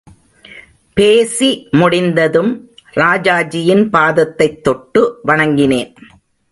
பேசி முடிந்ததும் ராஜாஜியின் பாதத்தைத் தொட்டு, வணங்கினேன்.